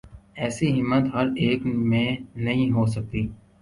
ایسی ہمت ہر ایک میں نہیں ہو سکتی۔